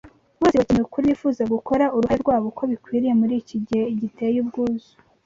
bose bakeneye ukuri, bifuza gukora uruhare rwabo uko bikwiriye muri iki gihe giteye ubwuzu